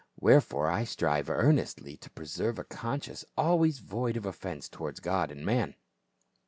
Wherefore I strive earnestly to pre serve a conscience always void of offence towards God and man.